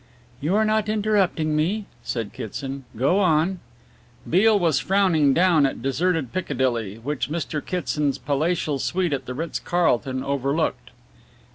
"You are not interrupting me," said Kitson, "go on." Beale was frowning down at deserted Piccadilly which Mr. Kitson's palatial suite at the Ritz Carlton overlooked.